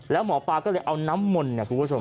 แล้วหมอปลาก็เลยเอาน้ำมนต์เนี่ยคุณผู้ชม